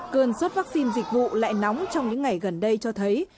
cơn xuất vaccine dịch vụ lại nóng trong những ngày gần đây cho thấy